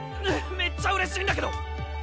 めっちゃうれしいんだけど！